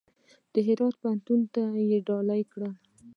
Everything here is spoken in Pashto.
د هرات پوهنتون ته یې ډالۍ کړل.